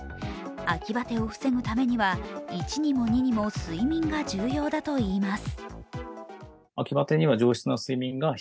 秋バテを防ぐためには一にも二にも睡眠が重要だといいます。